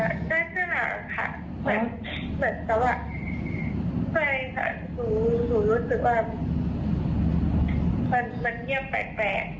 เหมือนกับว่าใช่ค่ะหนูรู้สึกว่ามันเงียบแปลกแปลก